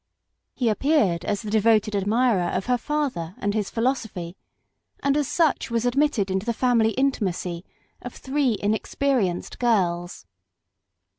He appeared as the devoted admirer of her father and his philosophy, and as such was admitted into the family intimacy of three inexpe rienced girls.